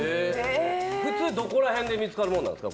普通どこら辺で見つかるものですか？